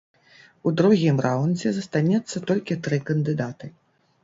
У другім раўндзе застанецца толькі тры кандыдаты.